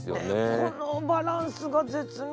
このバランスが絶妙。